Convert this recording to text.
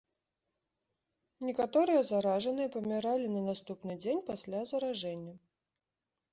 Некаторыя заражаныя паміралі на наступны дзень пасля заражэння.